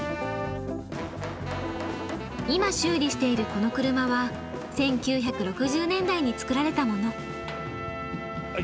今修理しているこの車は１９６０年代につくられたもの。